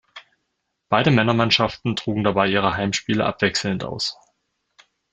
Beide Männermannschaften trugen dabei ihre Heimspiele abwechselnd aus.